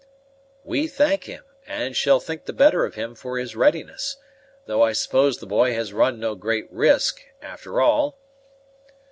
"We thank him, and shall think the better of him for his readiness; though I suppose the boy has run no great risk, after all."